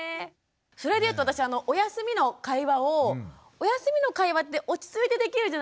それでいうと私おやすみの会話をおやすみの会話って落ち着いてできるじゃないですか。